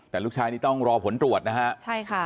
แต่ลูกชายนี่ต้องรอผลตรวจนะฮะใช่ค่ะ